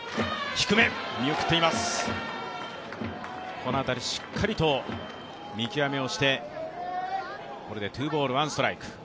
この辺り、しっかりと見極めをして、これでツーボールワンストライク。